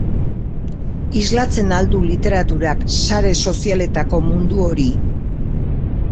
Islatzen al du literaturak sare sozialetako mundu hori?